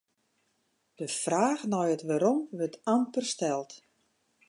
De fraach nei it wêrom wurdt amper steld.